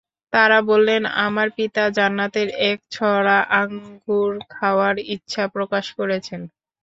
তারা বললেন, আমাদের পিতা জান্নাতের এক ছড়া আঙ্গুর খাওয়ার ইচ্ছা প্রকাশ করেছেন।